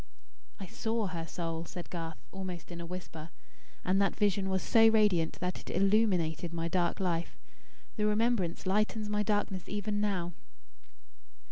"I SAW her soul," said Garth, almost in a whisper; "and that vision was so radiant that it illumined my dark life. The remembrance lightens my darkness, even now."